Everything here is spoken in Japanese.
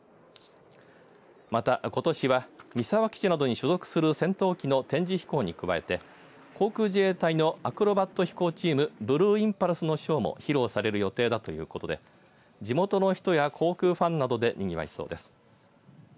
また、ことしは三沢基地などに所属する戦闘機の展示飛行に加えて航空自衛隊のアクロバット飛行チームブルーインパルスのショーも披露される予定だということで地元の人や航空ファンなどでにぎわいそうです。